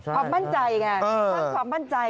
ความมั่นใจไงความมั่นใจ